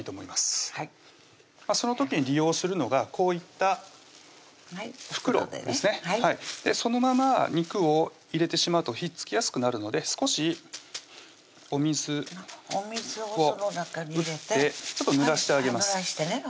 その時に利用するのがこういった袋ですねそのまま肉を入れてしまうとひっつきやすくなるので少しお水を打ってちょっとぬらしてあげます